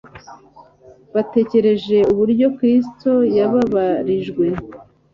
Batekereje uburyo Kristo yababarijwe